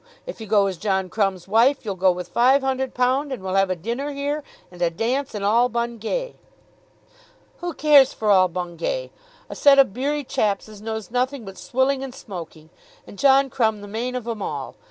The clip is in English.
If you go as John Crumb's wife you'll go with five hun'erd pound, and we'll have a dinner here, and a dance, and all Bungay." "Who cares for all Bungay, a set of beery chaps as knows nothing but swilling and smoking; and John Crumb the main of 'em all?